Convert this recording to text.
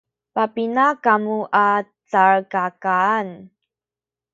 papina kamu a calkakaan?